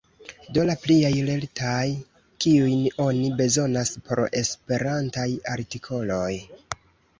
Do, la pliaj lertaj kiujn oni bezonas por esperantaj artikoloj.